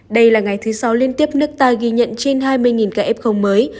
đây là ngày thứ sáu liên tiếp nước ta ghi nhận trên hai mươi ca f mới